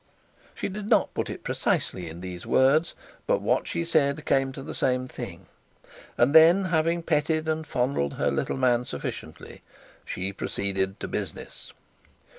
She did not put it precisely in these words, but what she said came to the same thing; and then, having petted and fondled her little man sufficiently, she proceeded to business.